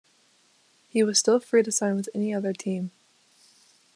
He was still free to sign with any other team.